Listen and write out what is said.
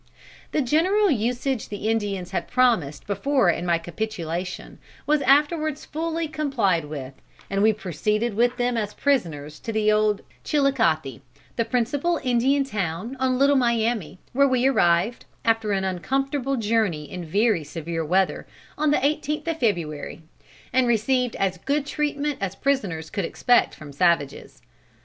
"The generous usage the Indians had promised before in my capitulation, was afterwards fully complied with, and we proceeded with them as prisoners to Old Chilicothe, the principal Indian town on Little Miami, where we arrived, after an uncomfortable journey in very severe weather, on the eighteenth of February, and received as good treatment as prisoners could expect from savages.